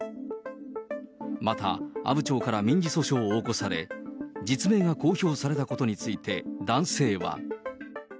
また阿武町から民事訴訟を起こされ、実名が公表されたことについて男性は。